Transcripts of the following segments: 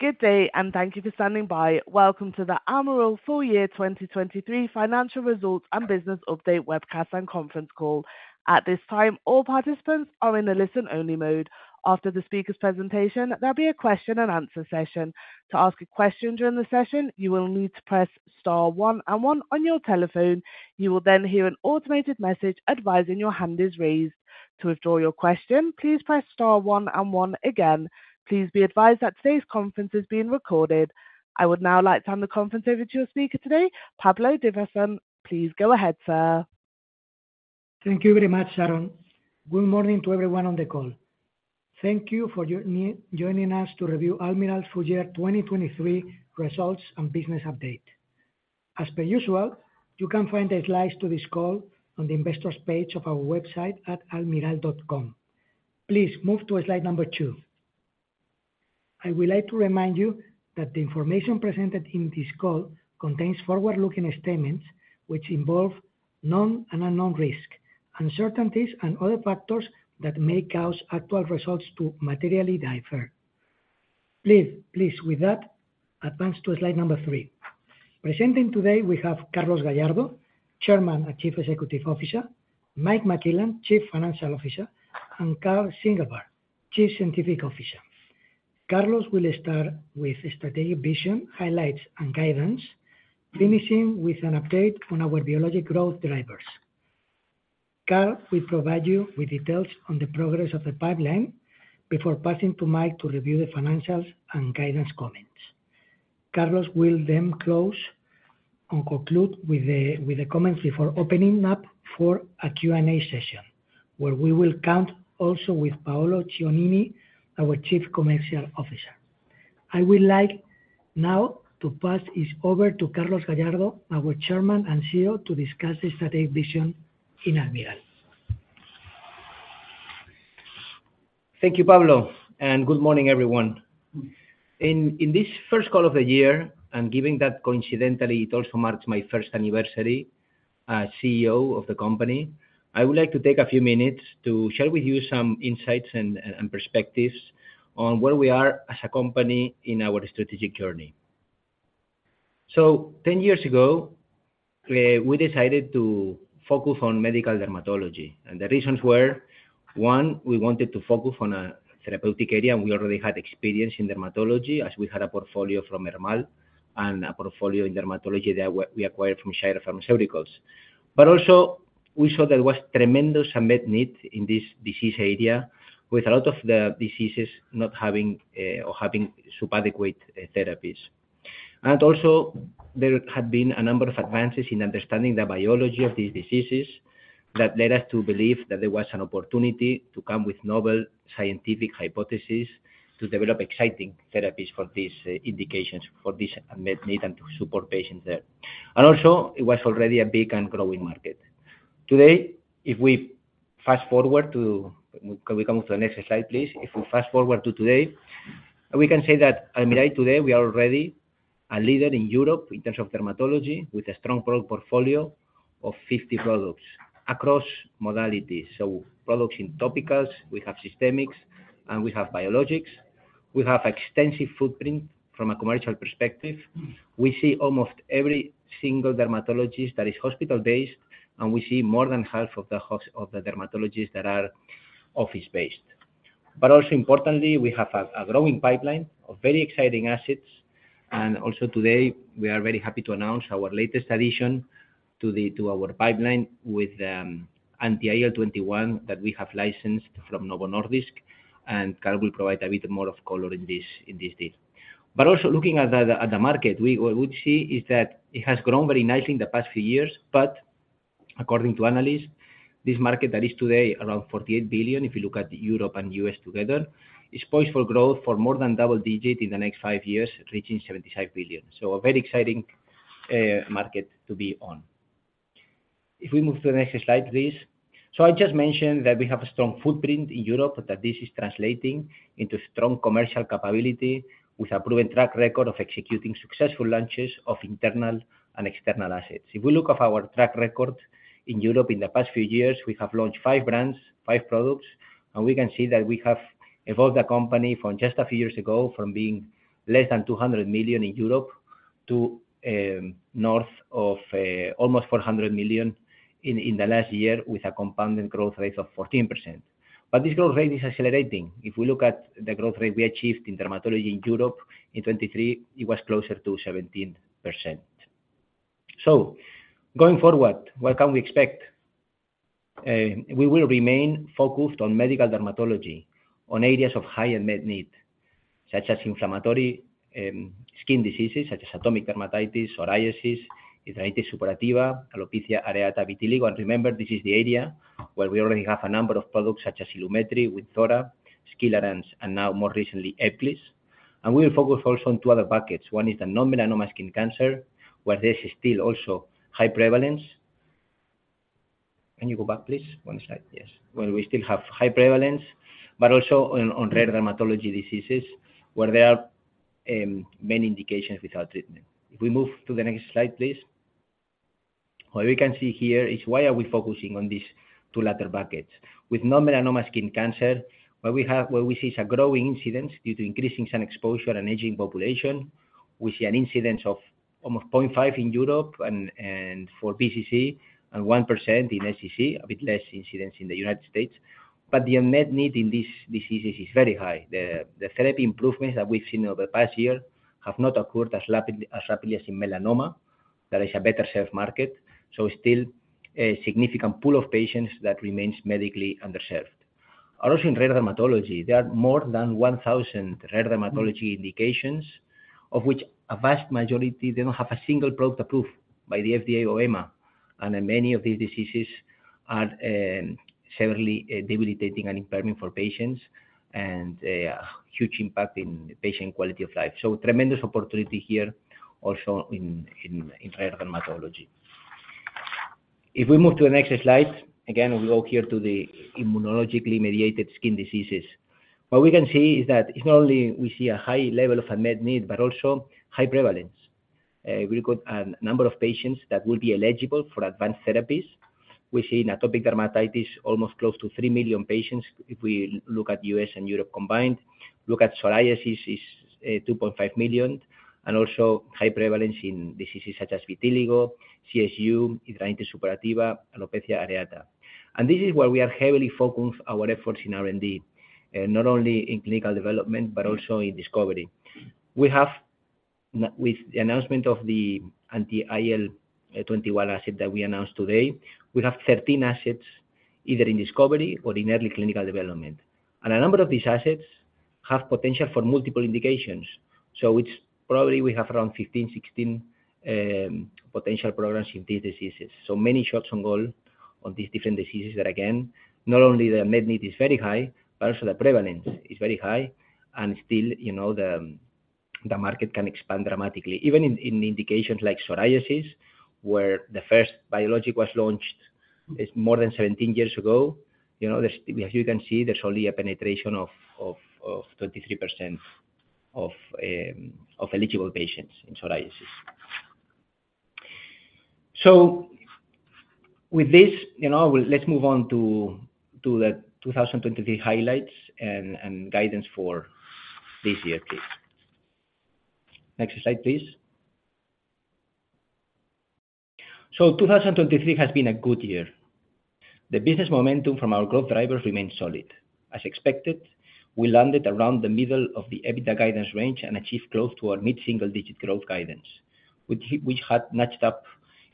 Good day, and thank you for standing by. Welcome to the Almirall Full Year 2023 Financial Results and Business Update Webcast and Conference Call. At this time, all participants are in a listen-only mode. After the speaker's presentation, there'll be a question-and-answer session. To ask a question during the session, you will need to press star one and one on your telephone. You will then hear an automated message advising your hand is raised. To withdraw your question, please press star one and one again. Please be advised that today's conference is being recorded. I would now like to hand the conference over to your speaker today, Pablo Divasson. Please go ahead, sir. Thank you very much, Aaron. Good morning to everyone on the call. Thank you for joining us to review Almirall Full Year 2023 Results and Business Update. As per usual, you can find the slides to this call on the investors page of our website at almirall.com. Please move to slide 2. I would like to remind you that the information presented in this call contains forward-looking statements which involve known and unknown risks, uncertainties, and other factors that may cause actual results to materially differ. Please, with that, advance to slide 3. Presenting today, we have Carlos Gallardo, Chairman and Chief Executive Officer; Mike McClellan, Chief Financial Officer; and Karl Ziegelbauer, Chief Scientific Officer. Carlos will start with strategic vision, highlights, and guidance, finishing with an update on our biologic growth drivers. Karl will provide you with details on the progress of the pipeline before passing to Mike to review the financials and guidance comments. Carlos will then close and conclude with the comments before opening up for a Q&A session, where we will count also with Paolo Cionini, our Chief Commercial Officer. I would like now to pass over to Carlos Gallardo, our Chairman and CEO, to discuss the strategic vision in Almirall. Thank you, Pablo, and good morning, everyone. In this first call of the year, and given that coincidentally it also marks my first anniversary as CEO of the company, I would like to take a few minutes to share with you some insights and perspectives on where we are as a company in our strategic journey. So, 10 years ago, we decided to focus on medical dermatology, and the reasons were, one, we wanted to focus on a therapeutic area, and we already had experience in dermatology as we had a portfolio from Hermal and a portfolio in dermatology that we acquired from Shire Pharmaceuticals. But also, we saw there was tremendous unmet need in this disease area, with a lot of the diseases not having or having subadequate therapies. Also, there had been a number of advances in understanding the biology of these diseases that led us to believe that there was an opportunity to come with novel scientific hypotheses to develop exciting therapies for these indications, for this unmet need, and to support patients there. Also, it was already a big and growing market. Today, if we fast forward to can we come to the next slide, please? If we fast forward to today, we can say that, Almirall, today we are already a leader in Europe in terms of dermatology with a strong portfolio of 50 products across modalities. So, products in topicals, we have systemics, and we have biologics. We have an extensive footprint from a commercial perspective. We see almost every single dermatologist that is hospital-based, and we see more than half of the dermatologists that are office-based. But also, importantly, we have a growing pipeline of very exciting assets. Also, today, we are very happy to announce our latest addition to our pipeline with Anti-IL-21 that we have licensed from Novo Nordisk, and Karl will provide a bit more color in this deal. Also, looking at the market, what we see is that it has grown very nicely in the past few years, but according to analysts, this market that is today around $48 billion, if you look at Europe and U.S. together, is poised for growth for more than double-digit in the next five years, reaching $75 billion. So, a very exciting market to be on. If we move to the next slide, please. So, I just mentioned that we have a strong footprint in Europe, that this is translating into strong commercial capability with a proven track record of executing successful launches of internal and external assets. If we look at our track record in Europe in the past few years, we have launched 5 brands, 5 products, and we can see that we have evolved the company from just a few years ago, from being less than 200 million in Europe to north of almost 400 million in the last year with a compounded growth rate of 14%. But this growth rate is accelerating. If we look at the growth rate we achieved in dermatology in Europe in 2023, it was closer to 17%. So, going forward, what can we expect? We will remain focused on medical dermatology, on areas of high unmet need, such as inflammatory skin diseases such as atopic dermatitis or ichthyosis, hidradenitis suppurativa, alopecia areata, vitiligo. And remember, this is the area where we already have a number of products such as Ilumetri, Wynzora, Skilarence, and now, more recently, Ebglyss. And we will focus also on two other buckets. One is the non-melanoma skin cancer, where there is still also high prevalence. Can you go back, please? One slide, yes. Well, we still have high prevalence, but also on rare dermatology diseases where there are many indications without treatment. If we move to the next slide, please. What we can see here is why are we focusing on these two latter buckets. With non-melanoma skin cancer, what we see is a growing incidence due to increasing sun exposure and aging population. We see an incidence of almost 0.5% in Europe for BCC and 1% in SCC, a bit less incidence in the United States. But the unmet need in these diseases is very high. The therapy improvements that we've seen over the past year have not occurred as rapidly as in melanoma, that is a better-served market. So, still, a significant pool of patients that remains medically underserved. Also, in rare dermatology, there are more than 1,000 rare dermatology indications, of which a vast majority don't have a single product approved by the FDA or EMA. And many of these diseases are severely debilitating and impairment for patients and a huge impact on patient quality of life. So, tremendous opportunity here also in rare dermatology. If we move to the next slide, again, we go here to the immunologically mediated skin diseases. What we can see is that not only do we see a high level of unmet need, but also high prevalence. We look at a number of patients that will be eligible for advanced therapies. We see in Atopic Dermatitis almost close to 3 million patients if we look at U.S. and Europe combined. Look at Psoriasis, it's 2.5 million. And also, high prevalence in diseases such as Vitiligo, CSU, Hidradenitis Suppurativa, Alopecia Areata. And this is where we are heavily focusing our efforts in R&D, not only in clinical development but also in discovery. With the announcement of the Anti-IL-21 asset that we announced today, we have 13 assets either in discovery or in early clinical development. And a number of these assets have potential for multiple indications. So, probably, we have around 15, 16 potential programs in these diseases. So, many shots on goal on these different diseases that, again, not only the unmet need is very high, but also the prevalence is very high, and still, the market can expand dramatically. Even in indications like psoriasis, where the first biologic was launched more than 17 years ago, as you can see, there's only a penetration of 23% of eligible patients in psoriasis. So, with this, let's move on to the 2023 highlights and guidance for this year, please. Next slide, please. So, 2023 has been a good year. The business momentum from our growth drivers remains solid. As expected, we landed around the middle of the EBITDA guidance range and achieved close to our mid-single-digit growth guidance, which had notched up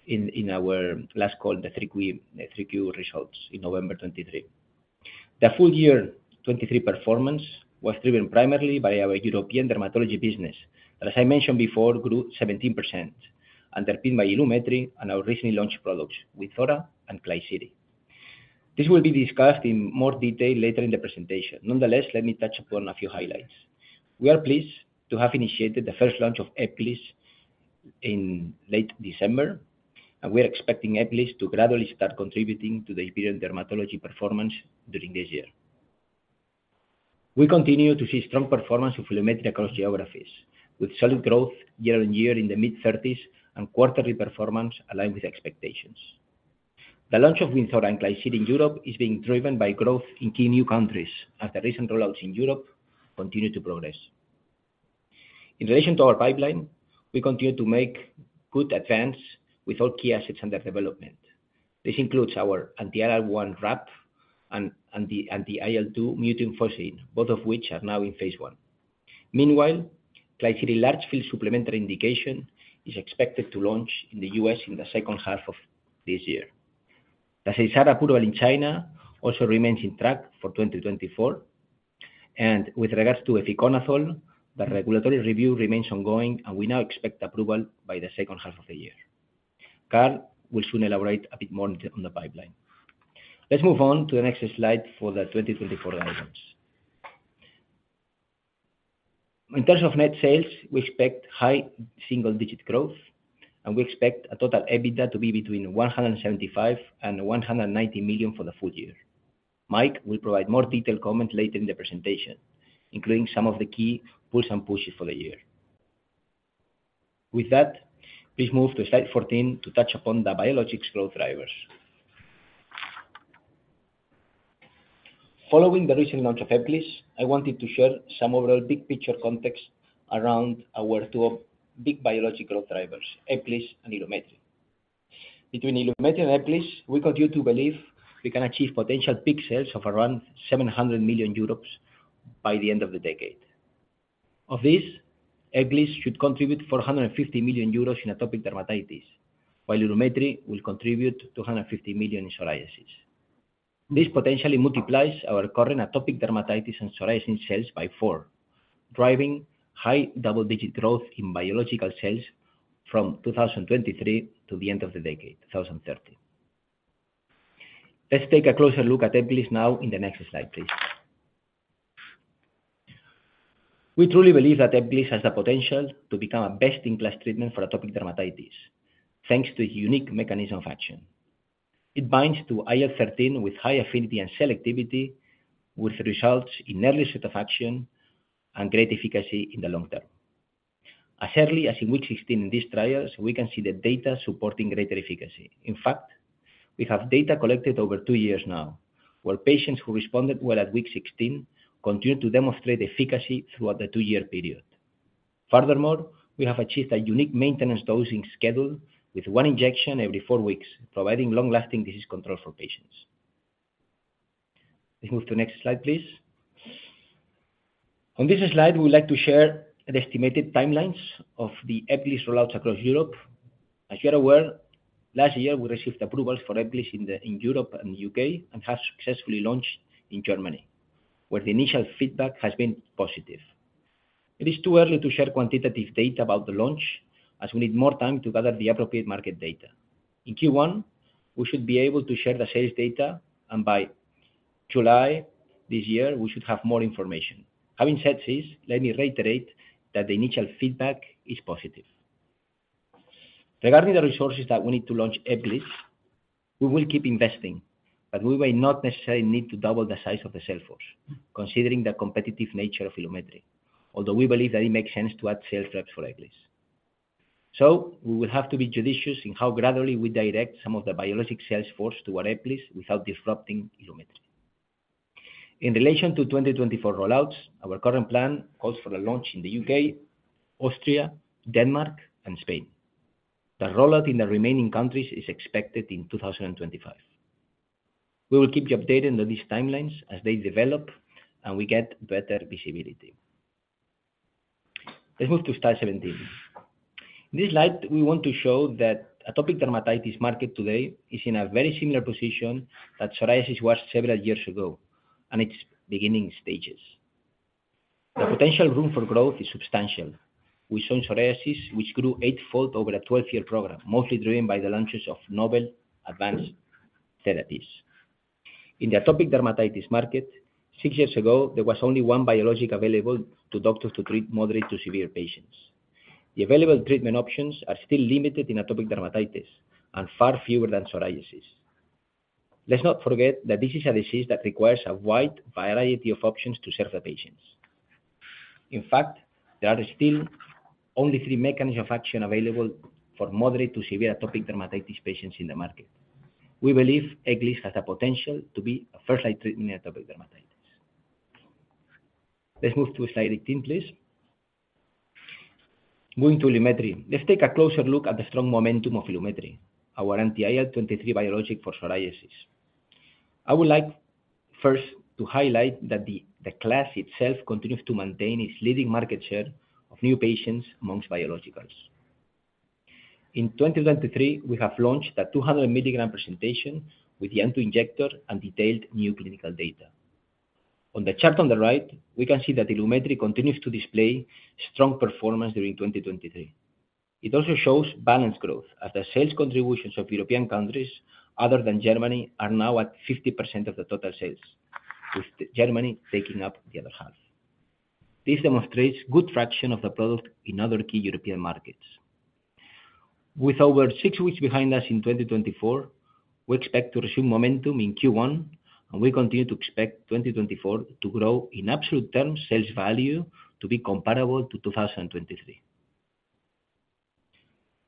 in our last call, the 3Q results in November 2023. The full year 2023 performance was driven primarily by our European dermatology business that, as I mentioned before, grew 17% and underpinned by Ilumetri and our recently launched products with Wynzora and Klisyri. This will be discussed in more detail later in the presentation. Nonetheless, let me touch upon a few highlights. We are pleased to have initiated the first launch of Ebglyss in late December, and we are expecting Ebglyss to gradually start contributing to the European dermatology performance during this year. We continue to see strong performance of Ilumetri across geographies, with solid growth year-over-year in the mid-30% and quarterly performance aligned with expectations. The launch of Wynzora and Klisyri in Europe is being driven by growth in key new countries as the recent rollouts in Europe continue to progress. In relation to our pipeline, we continue to make good advances with all key assets under development. This includes our Anti-IL-1RAP and Anti-IL-2 mutant fusion protein, both of which are now in Phase I. Meanwhile, Klisyri large-field supplementary indication is expected to launch in the U.S. in the second half of this year. The Seysara approval in China also remains on track for 2024. With regards to Efinaconazole, the regulatory review remains ongoing, and we now expect approval by the second half of the year. Karl will soon elaborate a bit more on the pipeline. Let's move on to the next slide for the 2024 guidance. In terms of net sales, we expect high single-digit growth, and we expect a total EBITDA to be between 175 million and 190 million for the full year. Mike will provide more detailed comments later in the presentation, including some of the key pulls and pushes for the year. With that, please move to slide 14 to touch upon the biologics growth drivers. Following the recent launch of Ebglyss, I wanted to share some overall big-picture context around our two big biologic growth drivers, Ebglyss and Ilumetri. Between Ilumetri and Ebglyss, we continue to believe we can achieve potential peak sales of around 700 million euros by the end of the decade. Of this, Ebglyss should contribute 450 million euros in atopic dermatitis, while Ilumetri will contribute 250 million in psoriasis. This potentially multiplies our current atopic dermatitis and psoriasis sales by 4, driving high double-digit growth in biological sales from 2023 to the end of the decade, 2030. Let's take a closer look at Ebglyss now in the next slide, please. We truly believe that Ebglyss has the potential to become a best-in-class treatment for atopic dermatitis thanks to its unique mechanism of action. It binds to IL-13 with high affinity and selectivity, with results in early onset of action and great efficacy in the long term. As early as in week 16 in these trials, we can see the data supporting greater efficacy. In fact, we have data collected over 2 years now, where patients who responded well at week 16 continue to demonstrate efficacy throughout the 2-year period. Furthermore, we have achieved a unique maintenance dosing schedule with one injection every 4 weeks, providing long-lasting disease control for patients. Let's move to the next slide, please. On this slide, we would like to share the estimated timelines of the Ebglyss rollouts across Europe. As you are aware, last year, we received approvals for Ebglyss in Europe and the U.K. and have successfully launched in Germany, where the initial feedback has been positive. It is too early to share quantitative data about the launch, as we need more time to gather the appropriate market data. In Q1, we should be able to share the sales data, and by July this year, we should have more information. Having said this, let me reiterate that the initial feedback is positive. Regarding the resources that we need to launch Ebglyss, we will keep investing, but we may not necessarily need to double the size of the sales force, considering the competitive nature of Ilumetri, although we believe that it makes sense to add sales reps for Ebglyss. So, we will have to be judicious in how gradually we direct some of the biologic sales force toward Ebglyss without disrupting Ilumetri. In relation to 2024 rollouts, our current plan calls for a launch in the U.K., Austria, Denmark, and Spain. The rollout in the remaining countries is expected in 2025. We will keep you updated on these timelines as they develop and we get better visibility. Let's move to slide 17. In this slide, we want to show that Atopic Dermatitis market today is in a very similar position that Psoriasis was several years ago, and its beginning stages. The potential room for growth is substantial. We saw in Psoriasis, which grew eightfold over a 12-year program, mostly driven by the launches of novel advanced therapies. In the Atopic Dermatitis market, six years ago, there was only one biologic available to doctors to treat moderate to severe patients. The available treatment options are still limited in atopic dermatitis and far fewer than psoriasis. Let's not forget that this is a disease that requires a wide variety of options to serve the patients. In fact, there are still only three mechanisms of action available for moderate-to-severe atopic dermatitis patients in the market. We believe Ebglyss has the potential to be a first-line treatment in atopic dermatitis. Let's move to slide 18, please. Going to Ilumetri, let's take a closer look at the strong momentum of Ilumetri, our Anti-IL-23 biologic for psoriasis. I would like first to highlight that the class itself continues to maintain its leading market share of new patients among biologicals. In 2023, we have launched the 200 milligram presentation with the auto-injector and detailed new clinical data. On the chart on the right, we can see that Ilumetri continues to display strong performance during 2023. It also shows balanced growth as the sales contributions of European countries, other than Germany, are now at 50% of the total sales, with Germany taking up the other half. This demonstrates good traction of the product in other key European markets. With over six weeks behind us in 2024, we expect to resume momentum in Q1, and we continue to expect 2024 to grow in absolute terms sales value to be comparable to 2023.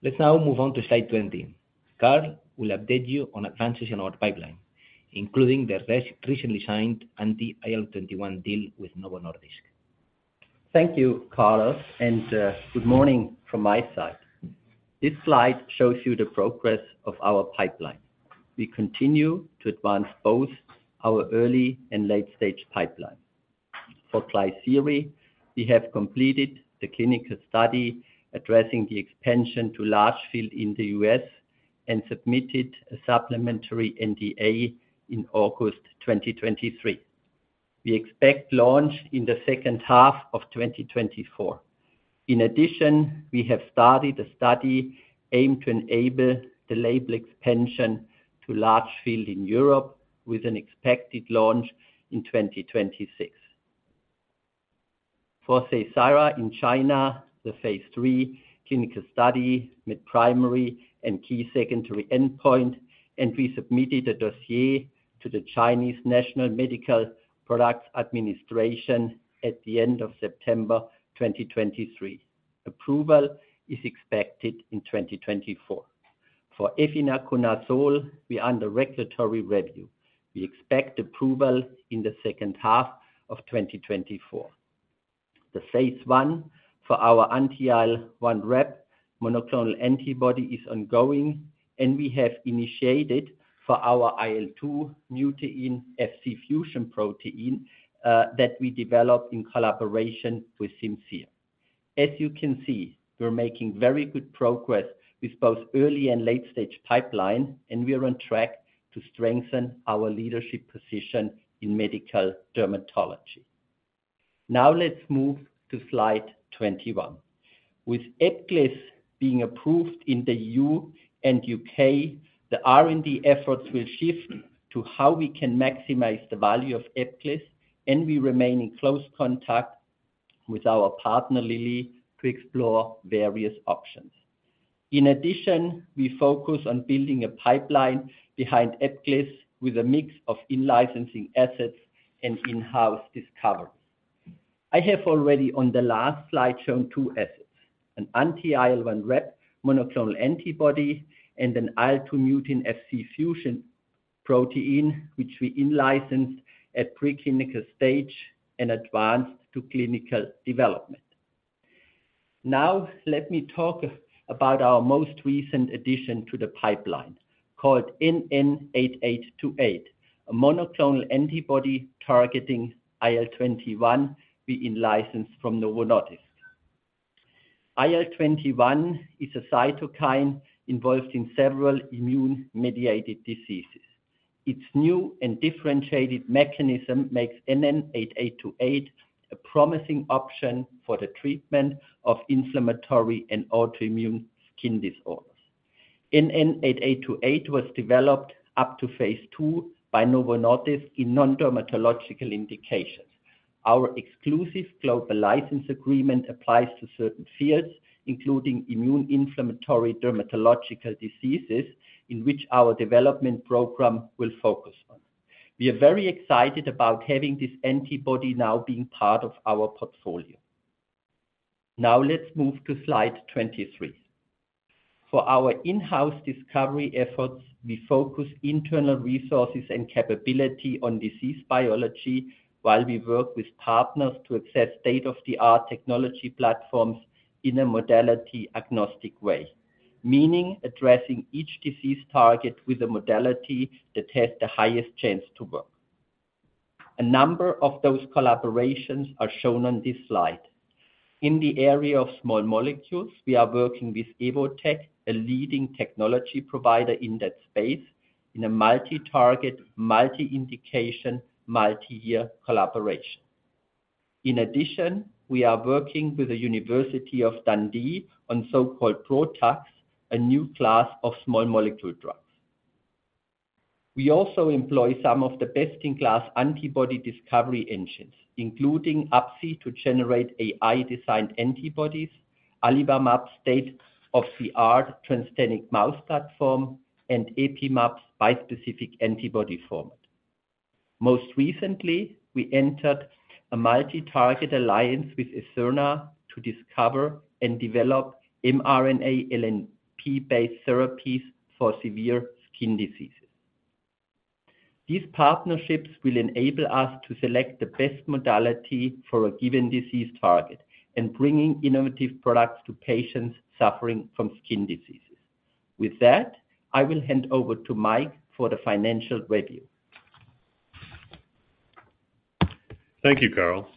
Let's now move on to slide 20. Karl will update you on advances in our pipeline, including the recently signed Anti-IL-21 deal with Novo Nordisk. Thank you, Carlos, and good morning from my side. This slide shows you the progress of our pipeline. We continue to advance both our early and late-stage pipeline. For Klisyri, we have completed the clinical study addressing the expansion to large field in the U.S. and submitted a supplementary NDA in August 2023. We expect launch in the second half of 2024. In addition, we have started a study aimed to enable the label expansion to large field in Europe with an expected launch in 2026. For Seysara in China, the Phase III clinical study met primary and key secondary endpoints, and we submitted a dossier to the Chinese National Medical Products Administration at the end of September 2023. Approval is expected in 2024. For Efinaconazole, we are under regulatory review. We expect approval in the second half of 2024. The Phase I for our Anti-IL-1RAP monoclonal antibody is ongoing, and we have initiated for our IL-2 mutant Fc fusion protein that we develop in collaboration with Simcere. As you can see, we're making very good progress with both early and late-stage pipeline, and we are on track to strengthen our leadership position in medical dermatology. Now let's move to slide 21. With Ebglyss being approved in the EU and U.K., the R&D efforts will shift to how we can maximize the value of Ebglyss, and we remain in close contact with our partner Lilly to explore various options. In addition, we focus on building a pipeline behind Ebglyss with a mix of in-licensing assets and in-house discovery. I have already on the last slide shown two assets: an Anti-IL-1RAP monoclonal antibody and an IL-2 mutant Fc fusion protein, which we in-licensed at preclinical stage and advanced to clinical development. Now let me talk about our most recent addition to the pipeline called NN8828, a monoclonal antibody targeting IL-21 we in-licensed from Novo Nordisk. IL-21 is a cytokine involved in several immune-mediated diseases. Its new and differentiated mechanism makes NN8828 a promising option for the treatment of inflammatory and autoimmune skin disorders. NN8828 was developed up to Phase II by Novo Nordisk in non-dermatological indications. Our exclusive global license agreement applies to certain fields, including immune-inflammatory dermatological diseases, in which our development program will focus on. We are very excited about having this antibody now being part of our portfolio. Now let's move to slide 23. For our in-house discovery efforts, we focus internal resources and capability on disease biology while we work with partners to access state-of-the-art technology platforms in a modality-agnostic way, meaning addressing each disease target with a modality that has the highest chance to work. A number of those collaborations are shown on this slide. In the area of small molecules, we are working with Evotec, a leading technology provider in that space, in a multi-target, multi-indication, multi-year collaboration. In addition, we are working with the University of Dundee on so-called PROTACs, a new class of small molecule drugs. We also employ some of the best-in-class antibody discovery engines, including Absci to generate AI-designed antibodies, AlivaMab state-of-the-art transgenic mouse platform, and EpimAb's bispecific antibody format. Most recently, we entered a multi-target alliance with Etherna to discover and develop mRNA LNP-based therapies for severe skin diseases. These partnerships will enable us to select the best modality for a given disease target and bring innovative products to patients suffering from skin diseases. With that, I will hand over to Mike for the financial review. Thank you, Karl.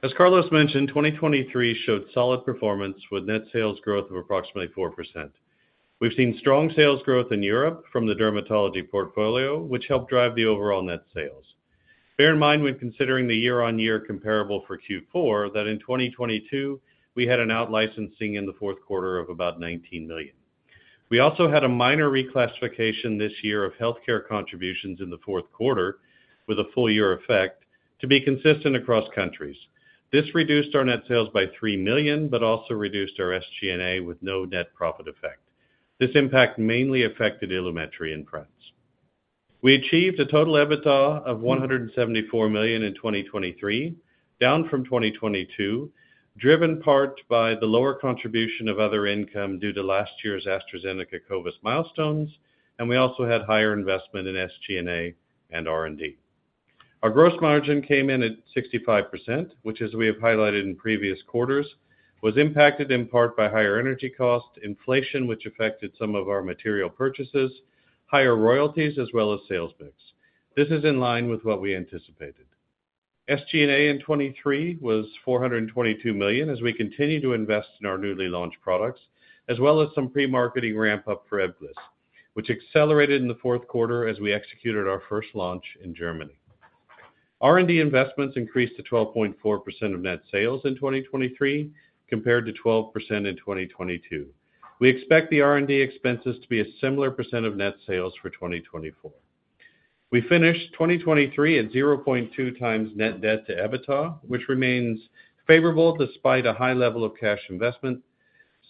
As Carlos mentioned, 2023 showed solid performance with net sales growth of approximately 4%. We've seen strong sales growth in Europe from the dermatology portfolio, which helped drive the overall net sales. Bear in mind, when considering the year-on-year comparable for Q4, that in 2022, we had an out-licensing in the fourth quarter of about 19 million. We also had a minor reclassification this year of healthcare contributions in the fourth quarter, with a full-year effect, to be consistent across countries. This reduced our net sales by 3 million but also reduced our SG&A with no net profit effect. This impact mainly affected Ilumetri in France. We achieved a total EBITDA of 174 million in 2023, down from 2022, driven part by the lower contribution of other income due to last year's AstraZeneca COVID milestones, and we also had higher investment in SG&A and R&D. Our gross margin came in at 65%, which, as we have highlighted in previous quarters, was impacted in part by higher energy cost, inflation which affected some of our material purchases, higher royalties, as well as sales mix. This is in line with what we anticipated. SG&A in 2023 was 422 million as we continue to invest in our newly launched products, as well as some pre-marketing ramp-up for Ebglyss, which accelerated in the fourth quarter as we executed our first launch in Germany. R&D investments increased to 12.4% of net sales in 2023 compared to 12% in 2022. We expect the R&D expenses to be a similar percent of net sales for 2024. We finished 2023 at 0.2x net debt to EBITDA, which remains favorable despite a high level of cash investment,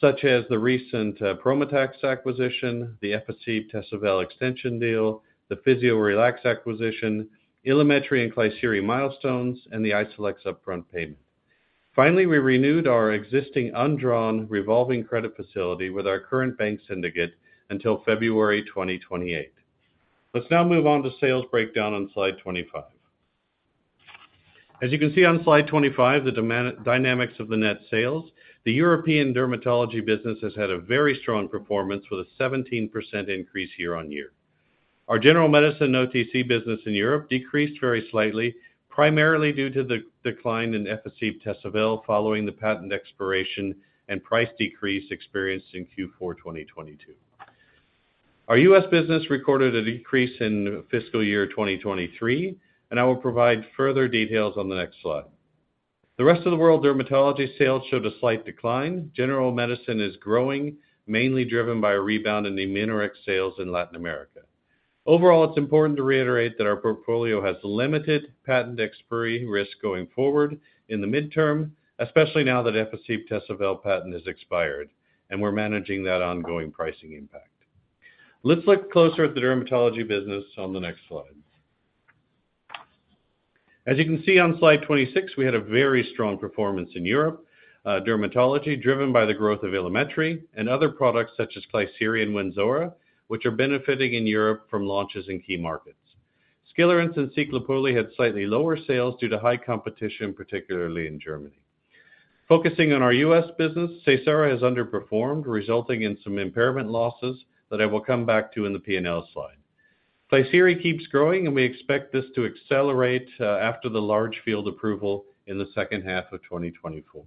such as the recent Prometax acquisition, the Efficib, Tesavel extension deal, the Physiorelax acquisition, Ilumetri and Klisyri milestones, and the Isolex upfront payment. Finally, we renewed our existing undrawn revolving credit facility with our current bank syndicate until February 2028. Let's now move on to sales breakdown on slide 25. As you can see on slide 25, the dynamics of the net sales, the European dermatology business has had a very strong performance with a 17% increase year-on-year. Our general medicine OTC business in Europe decreased very slightly, primarily due to the decline in Efficib, Tesavel following the patent expiration and price decrease experienced in Q4 2022. Our U.S. business recorded a decrease in fiscal year 2023, and I will provide further details on the next slide. The rest of the world dermatology sales showed a slight decline. General medicine is growing, mainly driven by a rebound in the Imunorix sales in Latin America. Overall, it's important to reiterate that our portfolio has limited patent expiry risk going forward in the midterm, especially now that Efficib, Tesavel patent has expired, and we're managing that ongoing pricing impact. Let's look closer at the dermatology business on the next slide. As you can see on slide 26, we had a very strong performance in Europe, dermatology driven by the growth of Ilumetri and other products such as Klisyri and Wynzora, which are benefiting in Europe from launches in key markets. Skilarence and Ciclopoli had slightly lower sales due to high competition, particularly in Germany. Focusing on our U.S. business, Seysara has underperformed, resulting in some impairment losses that I will come back to in the P&L slide. Klisyri keeps growing, and we expect this to accelerate after the label approval in the second half of 2024.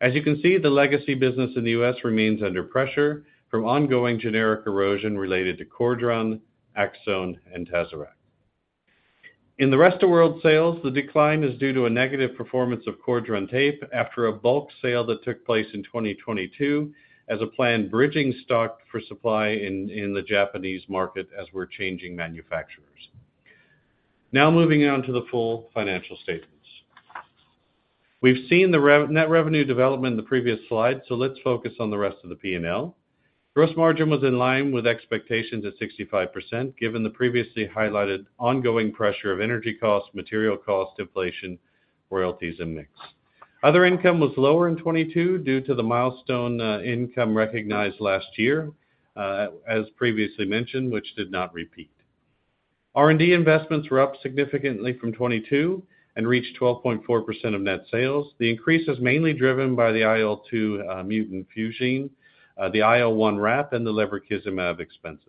As you can see, the legacy business in the U.S. remains under pressure from ongoing generic erosion related to Cordran, Aczone, and Tazorac. In the rest-of-world sales, the decline is due to a negative performance of Cordran Tape after a bulk sale that took place in 2022 as a planned bridging stock for supply in the Japanese market as we're changing manufacturers. Now moving on to the full financial statements. We've seen the net revenue development in the previous slide, so let's focus on the rest of the P&L. Gross margin was in line with expectations at 65% given the previously highlighted ongoing pressure of energy cost, material cost, inflation, royalties, and mix. Other income was lower in 2022 due to the milestone income recognized last year, as previously mentioned, which did not repeat. R&D investments were up significantly from 2022 and reached 12.4% of net sales. The increase is mainly driven by the IL-2 mutant fusion, the IL-1RAP, and the lebrikizumab expenses.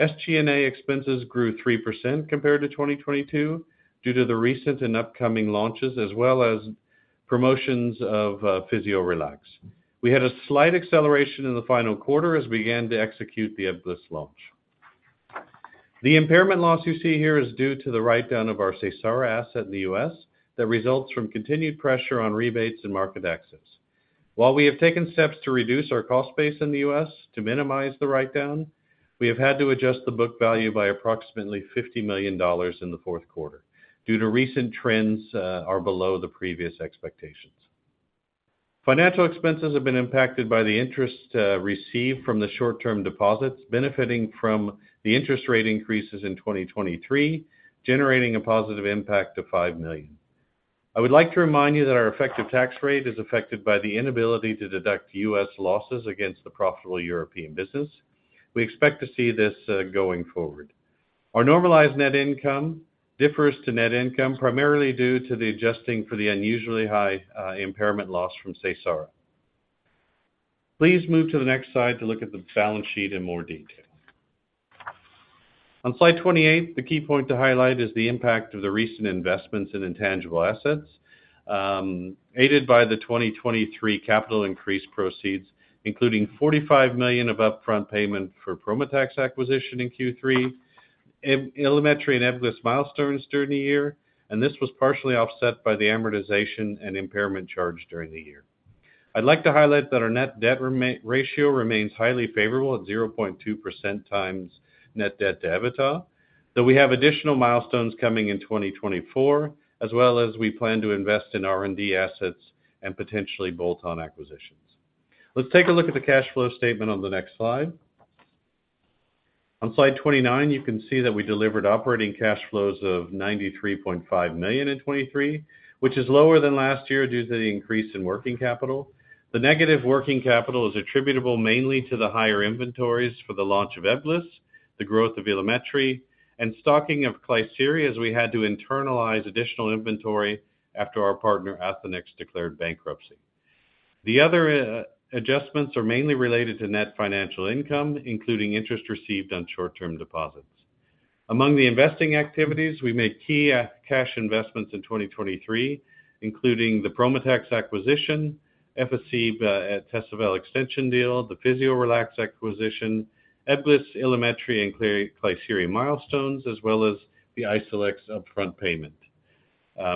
SG&A expenses grew 3% compared to 2022 due to the recent and upcoming launches, as well as promotions of Physiorelax. We had a slight acceleration in the final quarter as we began to execute the Ebglyss launch. The impairment loss you see here is due to the write-down of our Seysara asset in the U.S. that results from continued pressure on rebates and market access. While we have taken steps to reduce our cost base in the U.S. To minimize the write-down, we have had to adjust the book value by approximately $50 million in the fourth quarter due to recent trends are below the previous expectations. Financial expenses have been impacted by the interest received from the short-term deposits, benefiting from the interest rate increases in 2023, generating a positive impact of $5 million. I would like to remind you that our effective tax rate is affected by the inability to deduct U.S. losses against the profitable European business. We expect to see this going forward. Our normalized net income differs to net income primarily due to the adjusting for the unusually high impairment loss from Seysara. Please move to the next slide to look at the balance sheet in more detail. On slide 28, the key point to highlight is the impact of the recent investments in intangible assets, aided by the 2023 capital increase proceeds, including $45 million of upfront payment for Prometax acquisition in Q3, Ilumetri and Ebglyss milestones during the year, and this was partially offset by the amortization and impairment charge during the year. I'd like to highlight that our net debt ratio remains highly favorable at 0.2x net debt to EBITDA, though we have additional milestones coming in 2024, as well as we plan to invest in R&D assets and potentially bolt-on acquisitions. Let's take a look at the cash flow statement on the next slide. On slide 29, you can see that we delivered operating cash flows of $93.5 million in 2023, which is lower than last year due to the increase in working capital. The negative working capital is attributable mainly to the higher inventories for the launch of Ebglyss, the growth of Ilumetri, and stocking of Klisyri as we had to internalize additional inventory after our partner Athenex declared bankruptcy. The other adjustments are mainly related to net financial income, including interest received on short-term deposits. Among the investing activities, we made key cash investments in 2023, including the Prometax acquisition, Efficib Tesavel extension deal, the Physiorelax acquisition, Ebglyss, Ilumetri, and Klisyri milestones, as well as the Isolex upfront payment.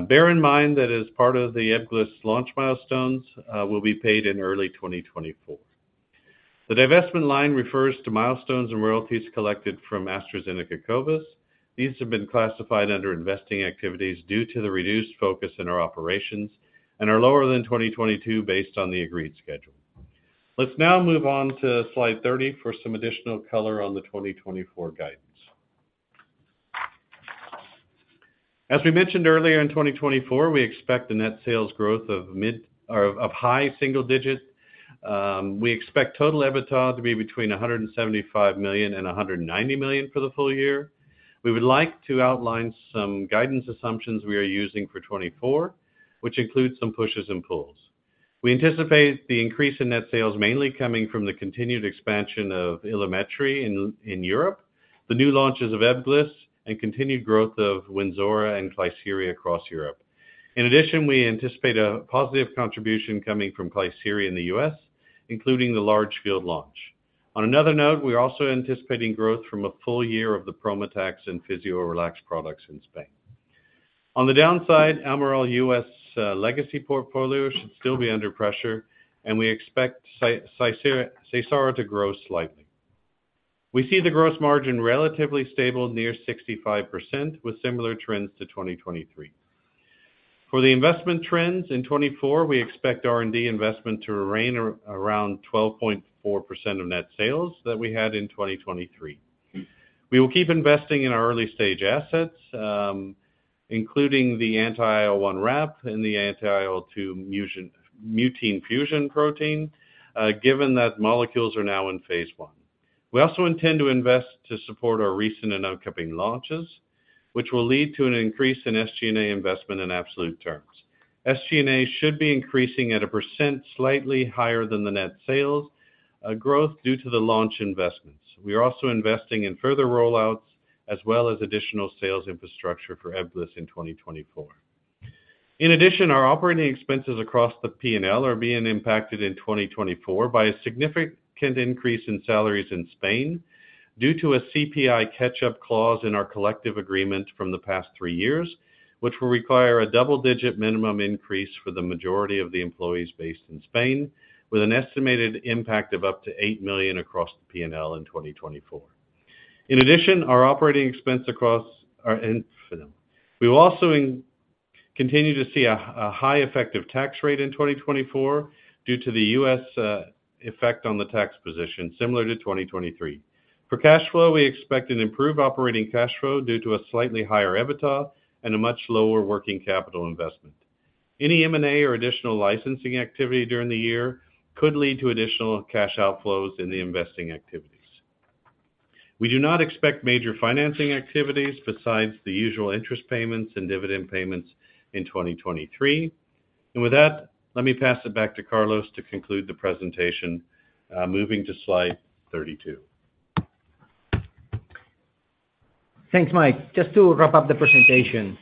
Bear in mind that as part of the Ebglyss launch milestones, will be paid in early 2024. The divestment line refers to milestones and royalties collected from AstraZeneca COVID. These have been classified under investing activities due to the reduced focus in our operations and are lower than 2022 based on the agreed schedule. Let's now move on to slide 30 for some additional color on the 2024 guidance. As we mentioned earlier, in 2024, we expect a net sales growth of mid or of high single digit. We expect total EBITDA to be between $175 million-$190 million for the full year. We would like to outline some guidance assumptions we are using for 2024, which include some pushes and pulls. We anticipate the increase in net sales mainly coming from the continued expansion of Ilumetri in Europe, the new launches of Ebglyss, and continued growth of Wynzora and Klisyri across Europe. In addition, we anticipate a positive contribution coming from Klisyri in the U.S., including the large field launch. On another note, we are also anticipating growth from a full year of the Prometax and Physiorelax products in Spain. On the downside, Almirall U.S. legacy portfolio should still be under pressure, and we expect Seysara to grow slightly. We see the gross margin relatively stable near 65%, with similar trends to 2023. For the investment trends in 2024, we expect R&D investment to remain around 12.4% of net sales that we had in 2023. We will keep investing in our early-stage assets, including the anti-IL-1RAP and the anti-IL-2 mutant fusion protein, given that molecules are now in Phase I. We also intend to invest to support our recent and upcoming launches, which will lead to an increase in SG&A investment in absolute terms. SG&A should be increasing at a percent slightly higher than the net sales growth due to the launch investments. We are also investing in further rollouts as well as additional sales infrastructure for Ebglyss in 2024. In addition, our operating expenses across the P&L are being impacted in 2024 by a significant increase in salaries in Spain due to a CPI catch-up clause in our collective agreement from the past three years, which will require a double-digit minimum increase for the majority of the employees based in Spain, with an estimated impact of up to $8 million across the P&L in 2024. In addition, our operating expense across our and for them. We will also continue to see a high effective tax rate in 2024 due to the U.S. effect on the tax position, similar to 2023. For cash flow, we expect an improved operating cash flow due to a slightly higher EBITDA and a much lower working capital investment. Any M&A or additional licensing activity during the year could lead to additional cash outflows in the investing activities. We do not expect major financing activities besides the usual interest payments and dividend payments in 2023. With that, let me pass it back to Carlos to conclude the presentation, moving to slide 32. Thanks, Mike. Just to wrap up the presentation.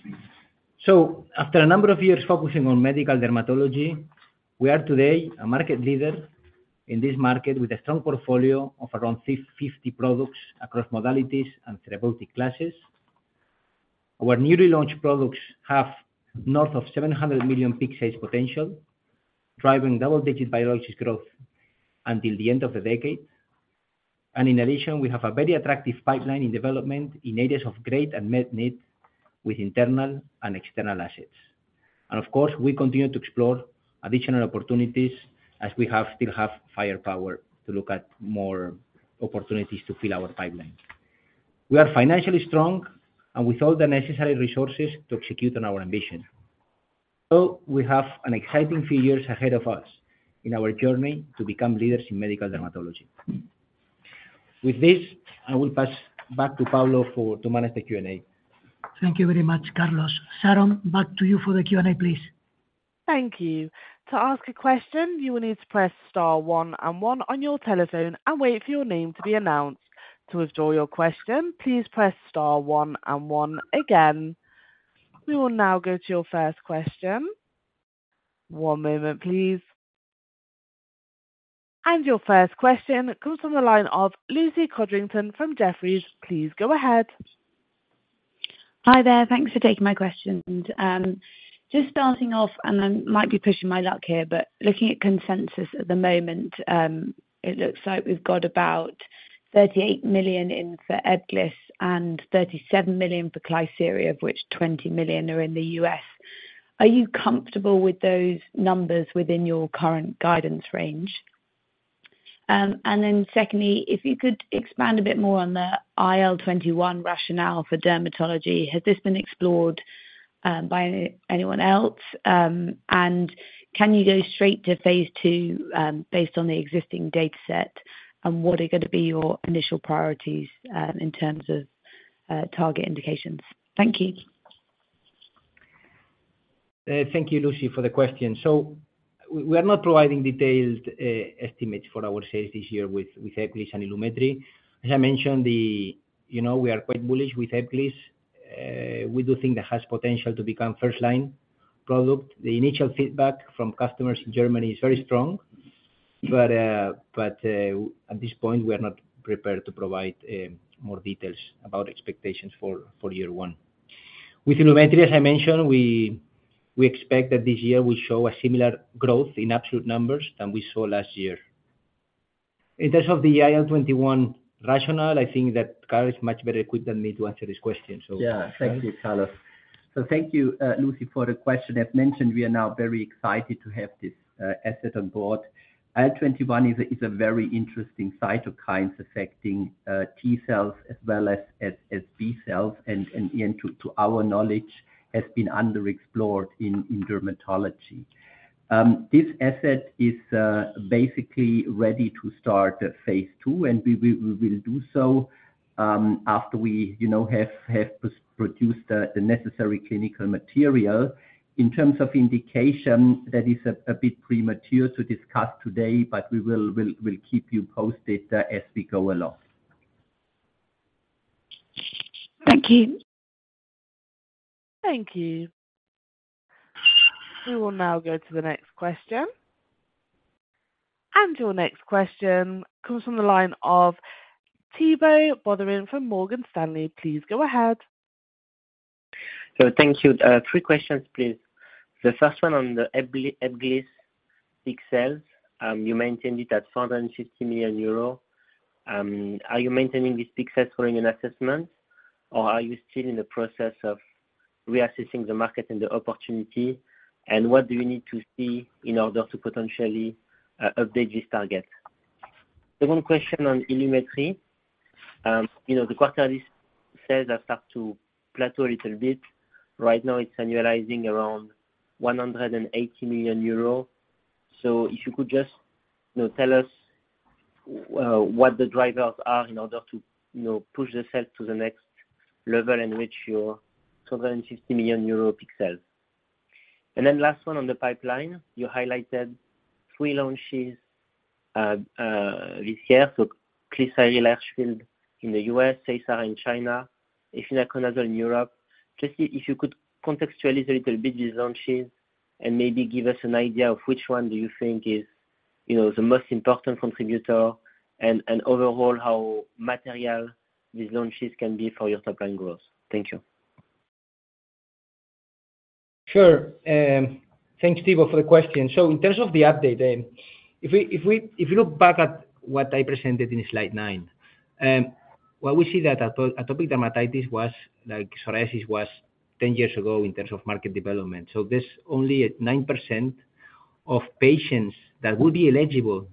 So, after a number of years focusing on medical dermatology, we are today a market leader in this market with a strong portfolio of around 50 products across modalities and therapeutic classes. Our newly launched products have north of 700 million potential, driving double-digit biologics growth until the end of the decade. And in addition, we have a very attractive pipeline in development in areas of great unmet need with internal and external assets. And of course, we continue to explore additional opportunities as we still have firepower to look at more opportunities to fill our pipeline. We are financially strong and with all the necessary resources to execute on our ambition. So, we have exciting figures ahead of us in our journey to become leaders in medical dermatology. With this, I will pass back to Pablo for to manage the Q&A. Thank you very much, Carlos. Aaron, back to you for the Q&A, please. Thank you. To ask a question, you will need to press star one and one on your telephone and wait for your name to be announced. To withdraw your question, please press star one and one again. We will now go to your first question. One moment, please. And your first question comes from the line of Lucy Codrington from Jefferies. Please go ahead. Hi there. Thanks for taking my question. Just starting off, and I might be pushing my luck here, but looking at consensus at the moment, it looks like we've got about 38 million in for Ebglyss and 37 million for Klisyri, of which $20 million are in the U.S. Are you comfortable with those numbers within your current guidance range? And then secondly, if you could expand a bit more on the IL-21 rationale for dermatology, has this been explored by anyone else? And can you go straight to phase two, based on the existing dataset, and what are going to be your initial priorities, in terms of target indications? Thank you. Thank you, Lucy, for the question. So, we are not providing detailed estimates for our sales this year with Ebglyss and Ilumetri. As I mentioned, you know, we are quite bullish with Ebglyss. We do think that has potential to become first-line product. The initial feedback from customers in Germany is very strong. But at this point, we are not prepared to provide more details about expectations for year one. With Ilumetri, as I mentioned, we expect that this year we show a similar growth in absolute numbers than we saw last year. In terms of the IL-21 rationale, I think that Karl is much better equipped than me to answer this question, so. Yeah, thank you, Carlos. So thank you, Lucy, for the question. As mentioned, we are now very excited to have this asset on board. IL-21 is a very interesting cytokine affecting T cells as well as B cells, and again, to our knowledge, has been underexplored in dermatology. This asset is basically ready to start Phase II, and we will do so, after we, you know, have produced the necessary clinical material. In terms of indication, that is a bit premature to discuss today, but we will keep you posted as we go along. Thank you. Thank you. We will now go to the next question. Your next question comes from the line of Thibault Boutherin from Morgan Stanley. Please go ahead. So thank you. Three questions, please. The first one on the Ebglyss. You maintained it at 450 million euros. Are you maintaining these Ebglyss following an assessment, or are you still in the process of reassessing the market and the opportunity, and what do you need to see in order to potentially update this target? Second question on Ilumetri. You know, the quarterly sales have started to plateau a little bit. Right now, it's annualizing around 180 million euros. So if you could just, you know, tell us, what the drivers are in order to, you know, push the sales to the next level and reach your 250 million euro peak sales. And then last one on the pipeline, you highlighted three launches, this year, so Klisyri large field in the U.S., Seysara in China, Efinaconazole in Europe. Just if you could contextualize a little bit these launches and maybe give us an idea of which one do you think is, you know, the most important contributor and and overall how material these launches can be for your top-line growth. Thank you. Sure. Thanks, Thibault, for the question. So in terms of the update, if you look back at what I presented in slide 9, well, we see that atopic dermatitis was like psoriasis was 10 years ago in terms of market development. So there's only 9% of patients that would be eligible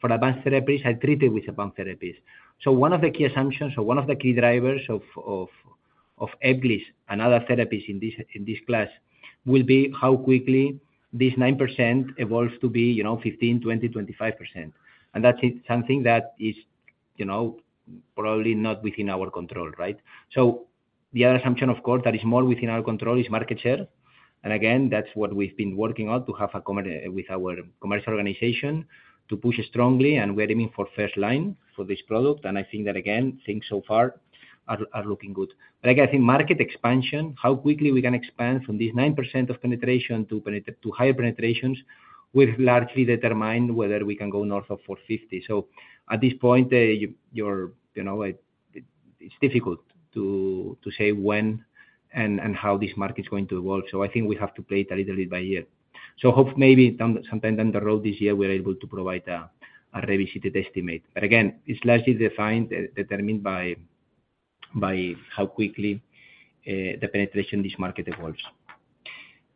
for advanced therapies are treated with advanced therapies. So one of the key assumptions or one of the key drivers of Ebglyss and other therapies in this class will be how quickly this 9% evolves to be, you know, 15%, 20%, 25%. And that's something that is, you know, probably not within our control, right? So the other assumption, of course, that is more within our control is market share. And again, that's what we've been working on to have with our commercial organization to push strongly, and we are aiming for first-line for this product. I think that, again, things so far are looking good. But again, I think market expansion, how quickly we can expand from this 9% of penetration to higher penetrations will largely determine whether we can go north of 450. So at this point, you know, it's difficult to say when and how this market's going to evolve. So I think we have to play it a little bit by year. So hope maybe sometime down the road this year, we are able to provide a revisited estimate. But again, it's largely defined by how quickly, the penetration this market evolves.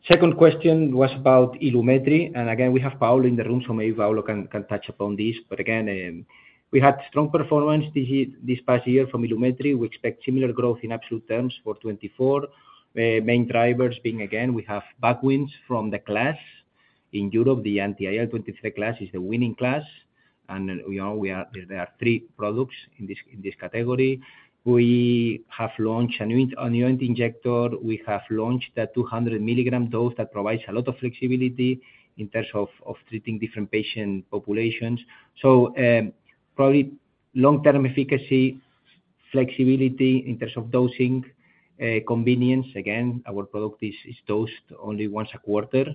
Second question was about Ilumetri. And again, we have Paolo in the room, so maybe Paolo can touch upon this. But again, we had strong performance this past year from Ilumetri. We expect similar growth in absolute terms for 2024, main drivers being, again, we have tailwinds from the class in Europe. The anti-IL-23 class is the winning class. And, you know, we are there. There are three products in this category. We have launched an auto-injector. We have launched a 200-milligram dose that provides a lot of flexibility in terms of treating different patient populations. So, probably long-term efficacy, flexibility in terms of dosing, convenience. Again, our product is dosed only once a quarter,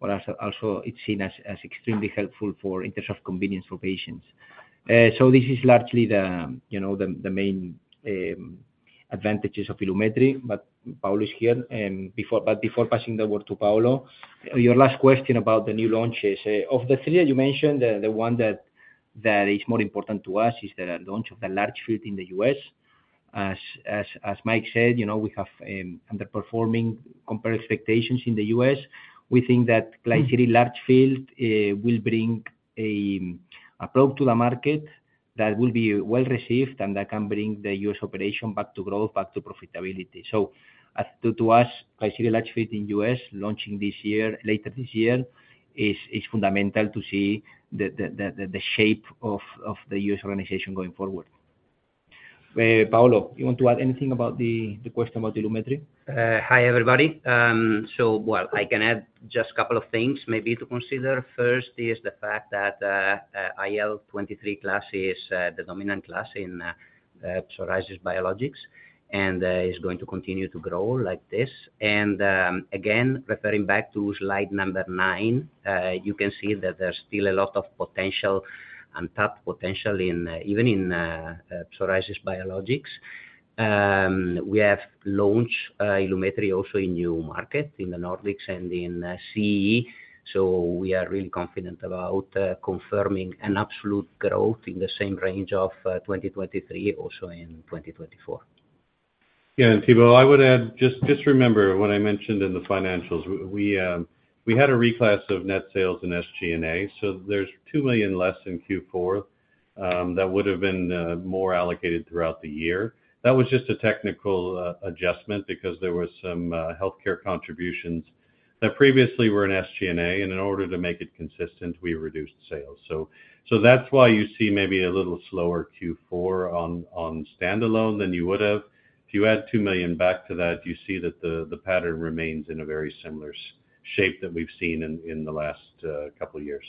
or also it's seen as extremely helpful in terms of convenience for patients. So this is largely the, you know, the main advantages of Ilumetri. But Paolo is here before passing the word to Paolo, your last question about the new launches. Of the three that you mentioned, the one that is more important to us is the launch of Ebglyss in the U.S. As Mike said, you know, we have underperforming compared expectations in the U.S. We think that Ebglyss will bring a approach to the market that will be well-received and that can bring the U.S. operation back to growth, back to profitability. So to us, Ebglyss in the U.S. launching this year later this year is fundamental to see the shape of the U.S. organization going forward. Paolo, you want to add anything about the question about Ilumetri? Hi, everybody. So, well, I can add just a couple of things maybe to consider. First is the fact that the IL-23 class is the dominant class in psoriasis biologics and is going to continue to grow like this. And again, referring back to slide number nine, you can see that there's still a lot of potential untapped potential in psoriasis biologics. We have launched Ilumetri also in new market in the Nordics and in CE. So we are really confident about confirming an absolute growth in the same range of 2023, also in 2024. Yeah. And Thibault, I would add just just remember what I mentioned in the financials. We had a reclass of net sales in SG&A, so there's 2 million less in Q4, that would have been more allocated throughout the year. That was just a technical adjustment because there were some healthcare contributions that previously were in SG&A, and in order to make it consistent, we reduced sales. So that's why you see maybe a little slower Q4 on standalone than you would have. If you add 2 million back to that, you see that the pattern remains in a very similar shape that we've seen in the last couple of years.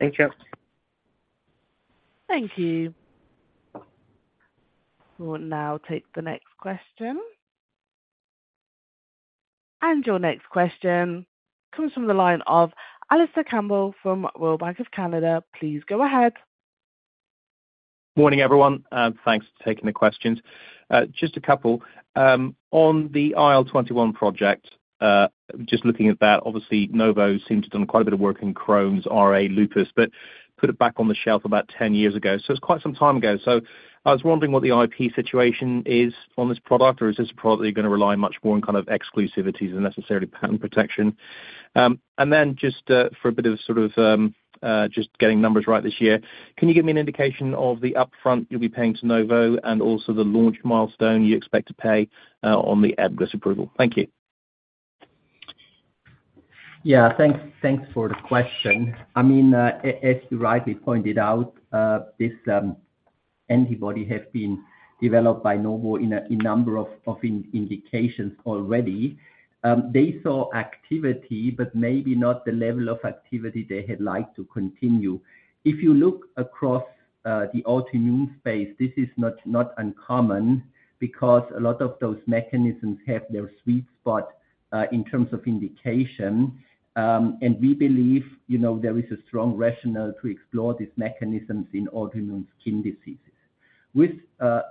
Thank you. Thank you. We will now take the next question. And your next question comes from the line of Alastair Campbell from RBC Capital Markets. Please go ahead. Morning, everyone. Thanks for taking the questions. Just a couple. On the IL-21 project, just looking at that, obviously, Novo seem to have done quite a bit of work in Crohn's, RA, lupus, but put it back on the shelf about 10 years ago. So it's quite some time ago. I was wondering what the IP situation is on this product, or is this a product that you're going to rely much more on kind of exclusivities and necessarily patent protection? And then just, for a bit of sort of, just getting numbers right this year, can you give me an indication of the upfront you'll be paying to Novo and also the launch milestone you expect to pay, on the Ebglyss approval? Thank you. Yeah, thanks for the question. I mean, as you rightly pointed out, this antibody has been developed by Novo in a number of indications already. They saw activity, but maybe not the level of activity they had liked to continue. If you look across the autoimmune space, this is not not uncommon because a lot of those mechanisms have their sweet spot, in terms of indication. We believe, you know, there is a strong rationale to explore these mechanisms in autoimmune skin diseases. With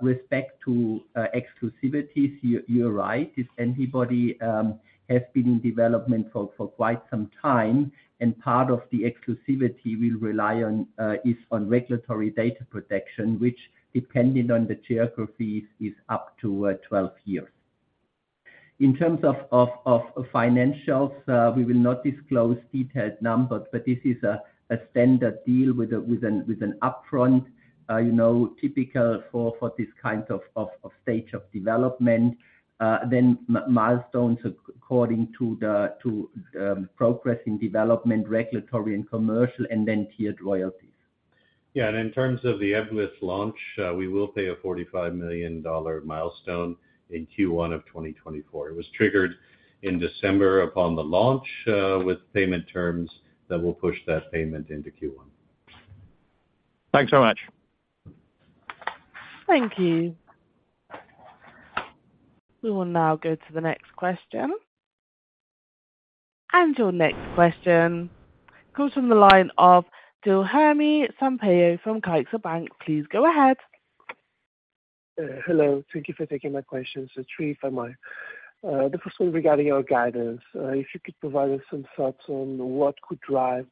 respect to exclusivities, you're right. This antibody has been in development for quite some time, and part of the exclusivity will rely on is on regulatory data protection, which, depending on the geographies, is up to 12 years. In terms of financials, we will not disclose detailed numbers, but this is a standard deal with an upfront, you know, typical for this kind of stage of development. Then milestones according to the progress in development, regulatory and commercial, and then tiered royalties. Yeah. And in terms of the Ebglyss launch, we will pay a $45 million milestone in Q1 of 2024. It was triggered in December upon the launch, with payment terms that will push that payment into Q1. Thanks so much. Thank you. We will now go to the next question. And your next question comes from the line of Guilherme Sampaio from CaixaBank. Please go ahead. Hello. Thank you for taking my question. So three if I may. The first one regarding our guidance. If you could provide us some thoughts on what could drive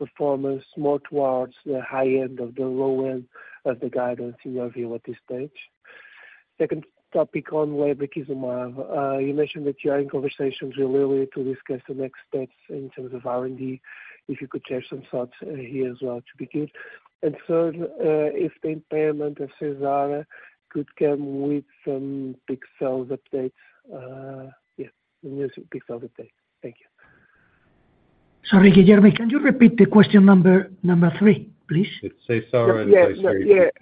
performance more towards the high end of the low end of the guidance in your view at this stage. Second topic on Wynzora. You mentioned that you are in conversations really early to discuss the next steps in terms of R&D. If you could share some thoughts here as well to begin. And third, if the impairment of Seysara could come with some Ebglyss updates, yeah, the new Ebglyss updates. Thank you. Sorry, Guilherme, can you repeat the question number 3, please? It's Seysara and Klisyri, Ilumetri, right?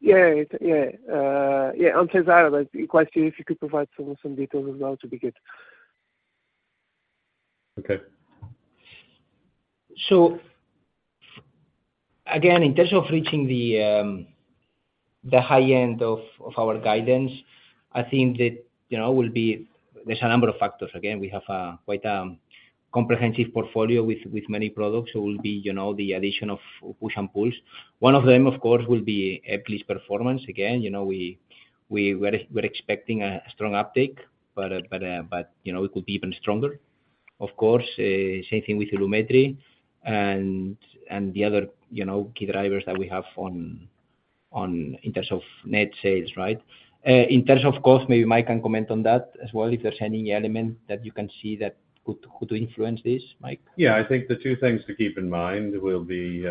Yeah, yeah, yeah. Yeah, on Seysara, but the question is if you could provide some some details as well to begin. Okay. So again, in terms of reaching the, the high end of of our guidance, I think that, you know, will be there's a number of factors. Again, we have a quite a comprehensive portfolio with with many products, so it will be, you know, the addition of push and pulls. One of them, of course, will be Ebglyss performance. Again, you know, we we we're expecting a strong uptake, but but but, you know, it could be even stronger. Of course, same thing with Ilumetri and and the other, you know, key drivers that we have on on in terms of net sales, right? In terms of cost, maybe Mike can comment on that as well if there's any element that you can see that could influence this, Mike? Yeah, I think the two things to keep in mind will be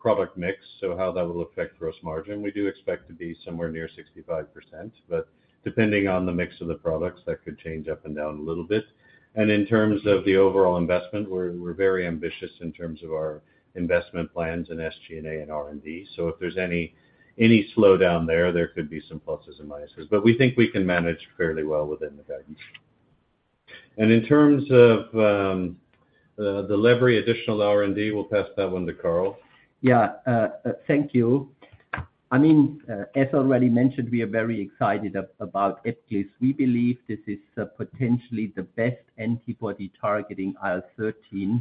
product mix, so how that will affect gross margin. We do expect to be somewhere near 65%, but depending on the mix of the products, that could change up and down a little bit. And in terms of the overall investment, we're very ambitious in terms of our investment plans in SG&A and R&D. So if there's any slowdown there, there could be some pluses and minuses, but we think we can manage fairly well within the guidance. And in terms of the leverage, additional R&D, we'll pass that one to Karl. Yeah, thank you. I mean, as already mentioned, we are very excited about Ebglyss. We believe this is potentially the best antibody targeting IL-13,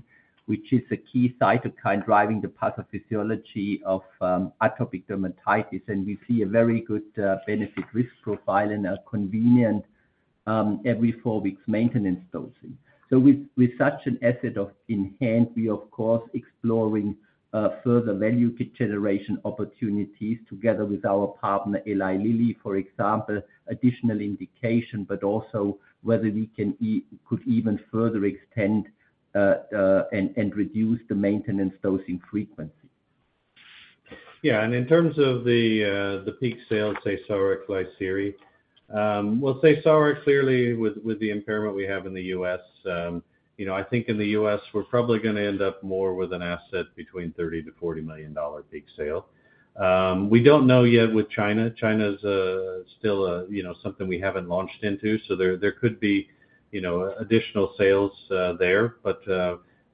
which is a key cytokine driving the pathophysiology of atopic dermatitis. We see a very good benefit-risk profile and a convenient every four weeks maintenance dosing. So with such an asset in hand, we are, of course, exploring further value generation opportunities together with our partner Eli Lilly, for example, additional indication, but also whether we could even further extend and reduce the maintenance dosing frequency. Yeah. And in terms of the peak sale of Seysara Klisyri, well, Seysara clearly with the impairment we have in the U.S., you know, I think in the U.S., we're probably going to end up more with an asset between $30 million-$40 million peak sale. We don't know yet with China. China's still a, you know, something we haven't launched into, so there could be, you know, additional sales there. But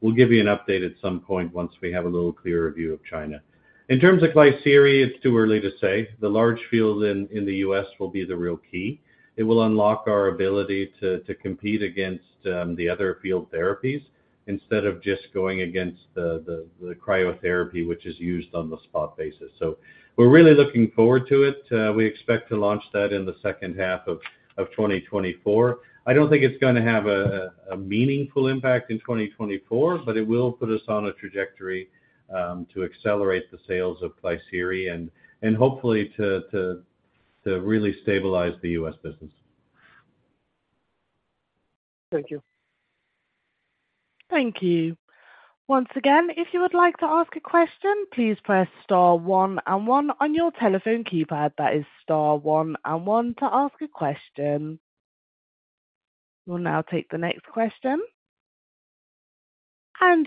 we'll give you an update at some point once we have a little clearer view of China. In terms of Klisyri, it's too early to say. The large field in the U.S. will be the real key. It will unlock our ability to compete against the other field therapies instead of just going against the cryotherapy, which is used on the spot basis. So we're really looking forward to it. We expect to launch that in the second half of 2024. I don't think it's going to have a meaningful impact in 2024, but it will put us on a trajectory to accelerate the sales of Klisyri and hopefully to really stabilize the U.S. business. Thank you. Thank you. Once again, if you would like to ask a question, please press star one and one on your telephone keypad. That is star one and one to ask a question. We will now take the next question.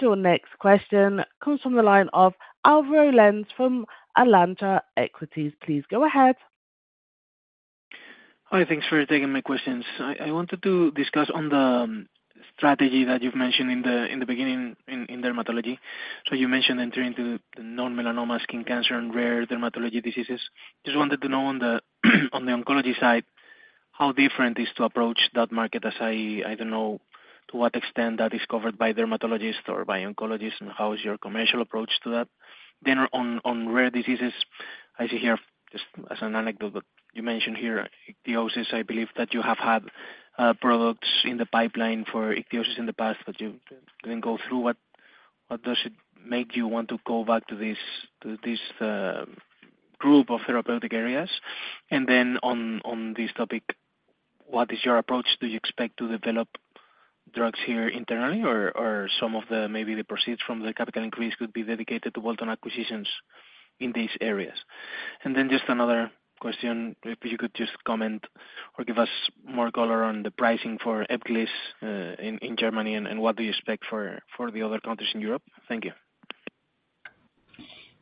Your next question comes from the line of Álvaro Lenze from Alantra Equities. Please go ahead. Hi. Thanks for taking my questions. I wanted to discuss the strategy that you've mentioned in the beginning in dermatology. So you mentioned entering into the non-melanoma skin cancer and rare dermatology diseases. Just wanted to know on the oncology side how different it is to approach that market as I don't know to what extent that is covered by dermatologists or by oncologists and how is your commercial approach to that. Then on rare diseases, I see here just as an anecdote, but you mentioned here Ichthyosis. I believe that you have had products in the pipeline for Ichthyosis in the past, but you didn't go through. What does it make you want to go back to this group of therapeutic areas? And then on this topic, what is your approach? Do you expect to develop drugs here internally, or some of the maybe the proceeds from the capital increase could be dedicated to bolt-on acquisitions in these areas? And then just another question, if you could just comment or give us more color on the pricing for Ebglyss in Germany and what do you expect for the other countries in Europe? Thank you.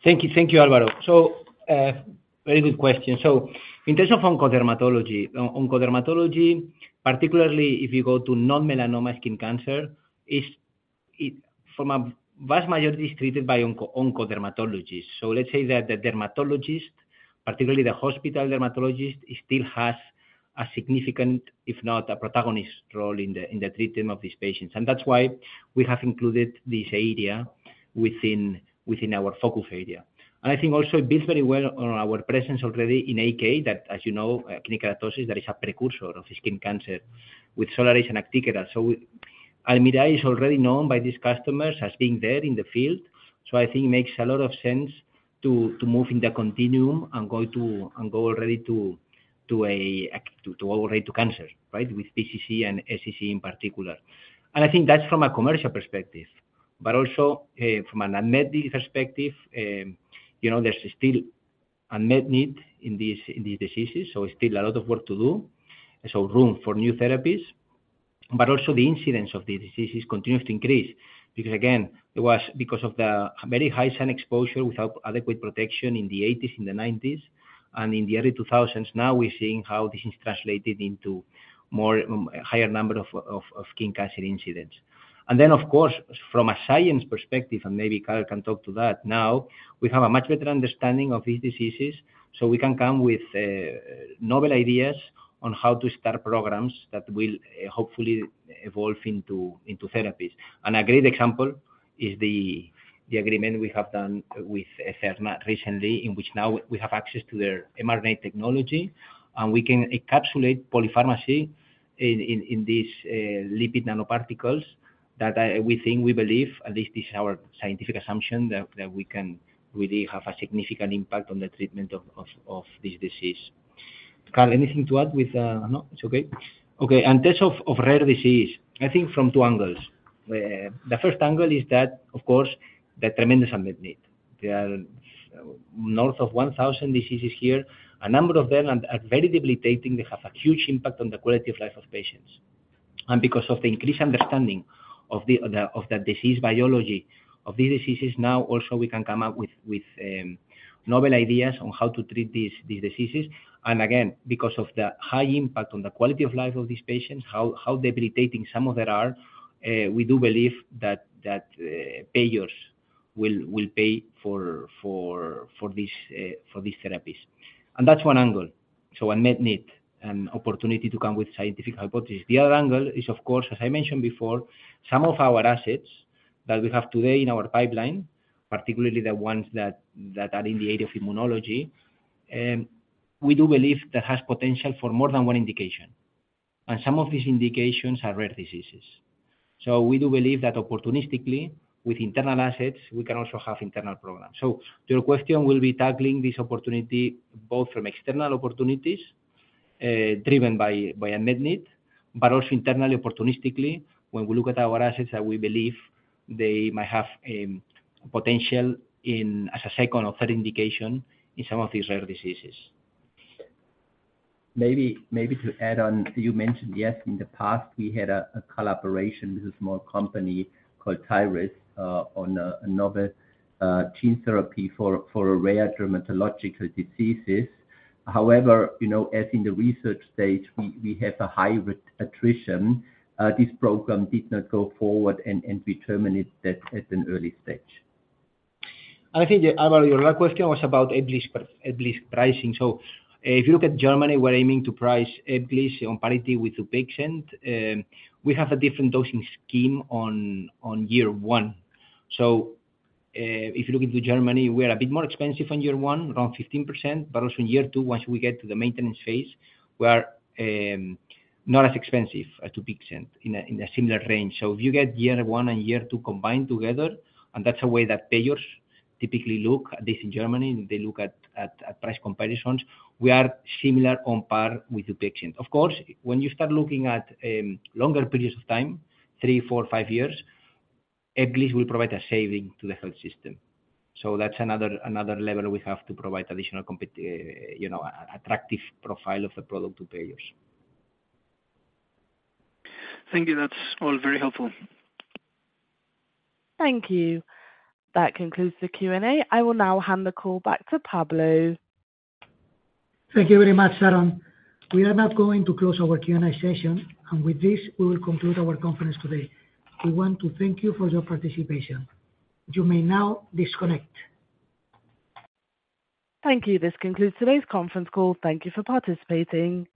Thank you. Thank you, Álvaro. So, very good question. So in terms of oncodermatology, particularly if you go to non-melanoma skin cancer, from a vast majority it is treated by oncodermatologists. So let's say that the dermatologist, particularly the hospital dermatologist, still has a significant, if not a protagonist role in the treatment of these patients. And that's why we have included this area within our focus area. And I think also it builds very well on our presence already in AK, that, as you know, actinic keratosis, that is a precursor of skin cancer with SCCs and BCCs. So Almirall is already known by these customers as being there in the field. So I think it makes a lot of sense to move in the continuum and go already to cancer, right, with BCC and SCC in particular. I think that's from a commercial perspective. But also, from an unmet perspective, you know, there's still unmet need in these diseases. So it's still a lot of work to do, so room for new therapies. But also the incidence of these diseases continues to increase because, again, it was because of the very high sun exposure without adequate protection in the 1980s, in the 1990s, and in the early 2000s. Now we're seeing how this is translated into a higher number of skin cancer incidences. And then, of course, from a science perspective, and maybe Karl can talk to that now, we have a much better understanding of these diseases, so we can come with novel ideas on how to start programs that will hopefully evolve into therapies. A great example is the agreement we have done with Etherna recently, in which now we have access to their mRNA technology, and we can encapsulate polypeptides in these lipid nanoparticles that we think we believe, at least this is our scientific assumption, that we can really have a significant impact on the treatment of this disease. Karl, anything to add? No? It's okay? Okay. In terms of rare diseases, I think from two angles. The first angle is that, of course, there are tremendous unmet need. There are north of 1,000 diseases here. A number of them are very debilitating. They have a huge impact on the quality of life of patients. Because of the increased understanding of that disease biology of these diseases, now also we can come up with novel ideas on how to treat these diseases. And again, because of the high impact on the quality of life of these patients, how debilitating some of them are, we do believe that payers will pay for these therapies. And that's one angle, so unmet need and opportunity to come with scientific hypotheses. The other angle is, of course, as I mentioned before, some of our assets that we have today in our pipeline, particularly the ones that are in the area of immunology, we do believe that has potential for more than one indication. And some of these indications are rare diseases. So we do believe that opportunistically, with internal assets, we can also have internal programs. So to your question, we'll be tackling this opportunity both from external opportunities, driven by ADMET need, but also internally opportunistically when we look at our assets that we believe they might have potential in as a second or third indication in some of these rare diseases. Maybe to add on, you mentioned, yes, in the past, we had a collaboration with a small company called Tyris on a novel gene therapy for rare dermatological diseases. However, you know, as in the research stage, we have a high attrition. This program did not go forward and terminated it at an early stage. And I think, Álvaro, your last question was about Ebglyss pricing. So, if you look at Germany, we're aiming to price Ebglyss on parity with Dupixent. We have a different dosing scheme on year one. So, if you look into Germany, we are a bit more expensive on year one, around 15%, but also in year two, once we get to the maintenance phase, we are not as expensive as Dupixent in a similar range. So if you get year one and year two combined together, and that's the way that payers typically look at this in Germany, they look at price comparisons, we are similar on par with Dupixent. Of course, when you start looking at longer periods of time, three, four, five years, Ebglyss will provide a saving to the health system. So that's another level we have to provide additional competitive, you know, attractive profile of the product to payers. Thank you. That's all very helpful. Thank you. That concludes the Q&A. I will now hand the call back to Pablo. Thank you very much, Aaron.We are now going to close our Q&A session, and with this, we will conclude our conference today. We want to thank you for your participation. You may now disconnect. Thank you. This concludes today's conference call. Thank you for participating.